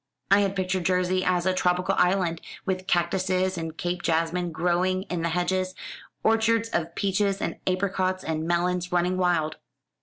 I had pictured Jersey as a tropical island, with cactuses and Cape jasmine growing in the hedges, orchards of peaches and apricots, and melons running wild."